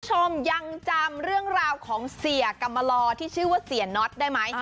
คุณผู้ชมยังจำเรื่องราวของเสียกรรมลอที่ชื่อว่าเสียน็อตได้ไหม